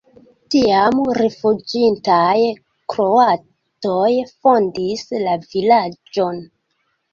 Tiam rifuĝintaj kroatoj fondis la vilaĝon.